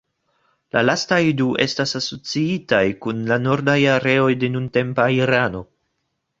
La lastaj du estas asociitaj kun la nordaj areoj de nuntempa Irano.